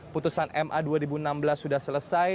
putusan ma dua ribu enam belas sudah selesai